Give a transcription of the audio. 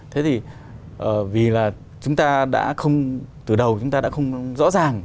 thế thì vì là chúng ta đã không từ đầu chúng ta đã không rõ ràng